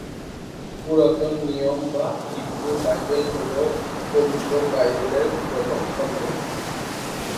পুরাতন নিয়ম বা হিব্রু বাইবেল হল পবিত্র বাইবেলের প্রথম খণ্ড।